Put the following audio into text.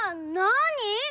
なに？